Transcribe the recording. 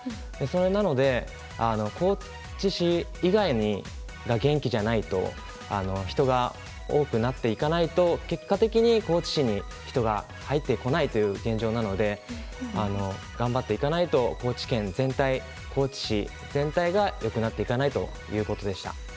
なので、高知市以外が元気じゃないと人が多くなっていかないと結果的に高知市に人が入ってこないという現状なので頑張っていかないと高知県全体、高知市全体がよくなっていかないということでした。